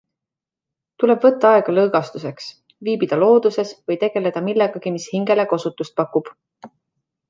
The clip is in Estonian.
Tuleb võtta aega lõõgastuseks - viibida looduses või tegeleda millegagi, mis hingele kosutust pakub.